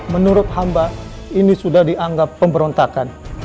menurut hamba ini sudah dianggap pemberontakan